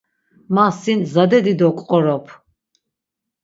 Ma sin zade dido ǩqorop.